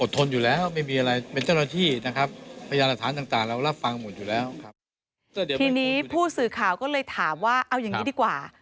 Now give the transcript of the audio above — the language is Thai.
ทีนี้ผู้สื่อข่าวก็เลยถามว่าเอาอย่างนี้ดีกว่า